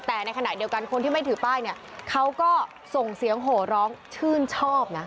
แต่ในขณะเดียวกันคนที่ไม่ถือป้ายเนี่ยเขาก็ส่งเสียงโหร้องชื่นชอบนะ